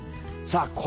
さあ